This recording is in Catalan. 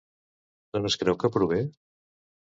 D'on es creu que prové?